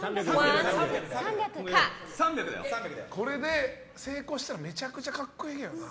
これで成功したらめちゃくちゃ格好いいけどな。